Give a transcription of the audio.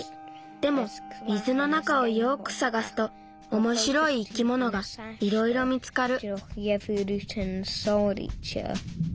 でも水の中をよくさがすとおもしろい生き物がいろいろ見つかる。